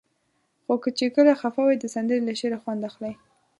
خو کله چې خفه وئ؛ د سندرې له شعره خوند اخلئ.